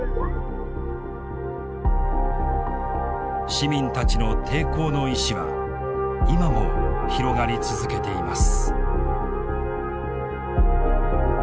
市民たちの抵抗の意志は今も広がり続けています。